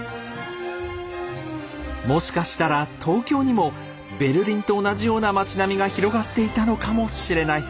もしかしたら東京にもベルリンと同じような町並みが広がっていたのかもしれない。